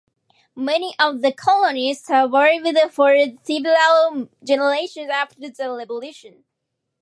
Many of the colonies survived for several generations after the Revolution.